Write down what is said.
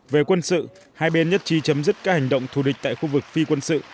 về quân sự hai bên nhất trí chấm dứt các hành động thù địch tại khu vực phi quân sự